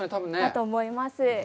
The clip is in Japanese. だと思います。